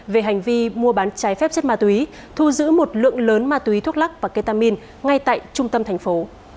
đi mua bán trái phép chất ma túy thu giữ một lượng lớn ma túy thuốc lắc và ketamin ngay tại trung tâm thành phố